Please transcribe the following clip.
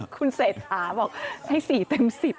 คุณเศษฐาบอกให้สี่เต็มสิบ